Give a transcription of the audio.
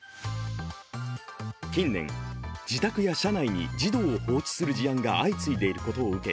近年、自宅や車内に児童を放置する事案が相次いでいることを受け